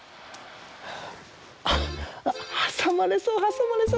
あっはさまれそうはさまれそう。